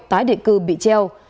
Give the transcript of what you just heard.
tái định cư bị treo